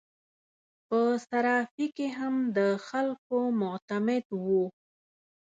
په صرافي کې هم د خلکو معتمد وو.